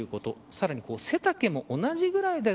さらに背丈も同じぐらいだ。